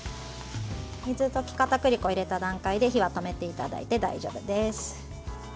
水溶きかたくり粉を入れた段階で火は止めていただいて大丈夫です。